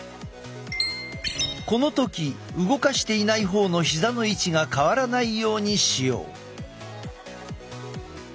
この時動かしていない方の膝の位置が変わらないようにしよう。